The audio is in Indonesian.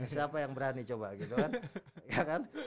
siapa yang berani coba gitu kan